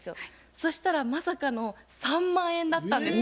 そしたらまさかの３万円だったんです。